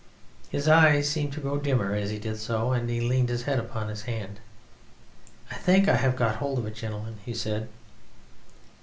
His eyes seemed to grow dimmer as he did so, and he leaned his head upon his hand. "I think I have got hold of it, gentlemen," he said.